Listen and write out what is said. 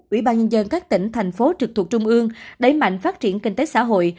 ủy ban nhân dân các tỉnh thành phố trực thuộc trung ương đẩy mạnh phát triển kinh tế xã hội